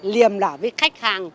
liềm lỏ với khách hàng